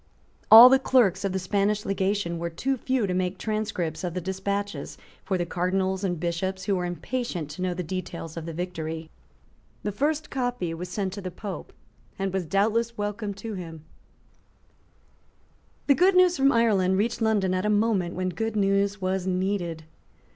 All the clerks of the Spanish legation were too few to make transcripts of the despatches for the Cardinals and Bishops who were impatient to know the details of the victory. The first copy was sent to the Pope, and was doubtless welcome to him, The good news from Ireland reached London at a moment when good news was needed.